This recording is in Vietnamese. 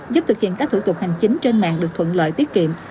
giúp thực hiện các thủ tục hành chính trên mạng được thuận lợi tiết kiệm